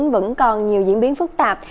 vẫn còn nhiều diễn biến phức tạp